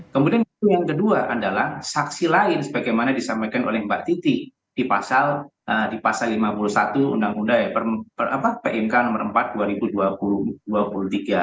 kemudian yang kedua adalah saksi lain sebagaimana disampaikan oleh mbak titi di pasal lima puluh satu undang undang pmk no empat dua ribu dua puluh tiga